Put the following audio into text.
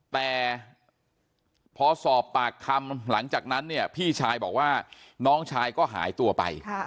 แต่พอสอบปากคำหลังจากนั้นเนี่ยพี่ชายบอกว่าน้องชายก็หายตัวไป